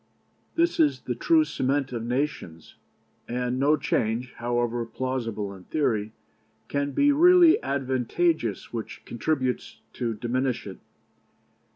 This is the true cement of nations, and no change, however plausible in theory, can be really advantageous which contributes to diminish it.